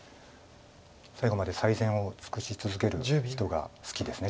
最後まで最善を尽くし続ける人が好きですね